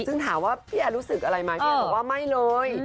ซึ่งถามว่าพี่แอนรู้สึกอะไรไหมพี่แอนบอกว่าไม่เลย